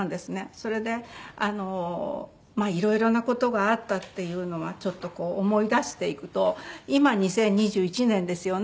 それで色々な事があったっていうのはちょっと思い出していくと今２０２１年ですよね。